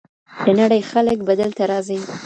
د نړۍ خلک به دلته راځي.